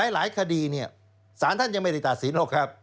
หลายคดีเนี่ยสารท่านยังไม่ได้ตัดสินหรอกครับ